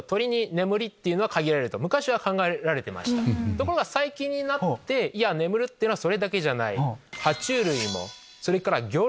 ところが最近になって眠るってそれだけじゃない。